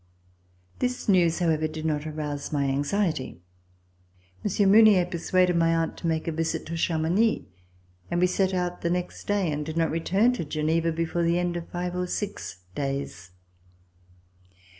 This news, however, did not arouse my anxiety. Monsieur Mounier persuaded my aunt to make a visit to Chamonix, and we set out the next day and did not return to Geneva before the end of five or six days.